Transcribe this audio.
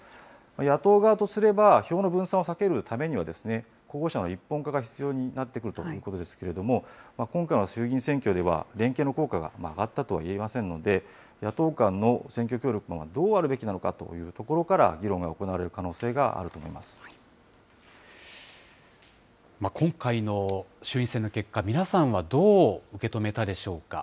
野党側とすれば、票の分散を避けるためには、候補者の一本化が必要になってくるということですけれども、今回の衆議院選挙では、連携の効果が上がったとは言えませんので、野党間の選挙協力がどうあるべきなのかというところから、議論が行われる可能性がある今回の衆院選の結果、皆さんはどう受け止めたでしょうか。